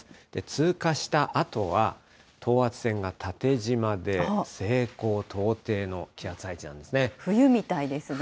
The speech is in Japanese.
通過したあとは、等圧線が縦じまで、西高東低の気圧配置なんです冬みたいですね。